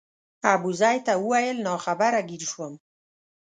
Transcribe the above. ابوزید ته وویل ناخبره ګیر شوم.